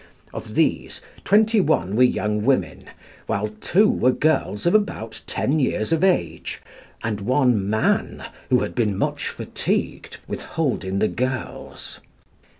Of these, twenty one were young women, two were girls of about ten years of age, and one man, who had been much fatigued with holding the girls.